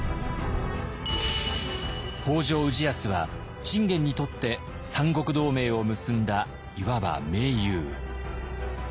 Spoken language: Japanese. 北条氏康は信玄にとって三国同盟を結んだいわば盟友。